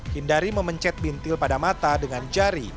hindari memencet bintil pada mata dengan jari